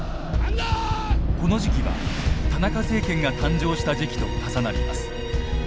この時期は田中政権が誕生した時期と重なります。